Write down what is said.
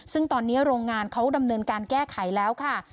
ซึ่งตอนนี้โรงงานเขาดำเนินการแก้ไขแล้วค่ะ